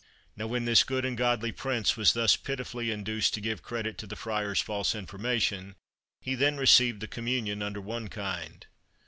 Now, when this good and godly Prince was thus pitifully induced to give credit to the Friar's false information, he then received the communion under one kind.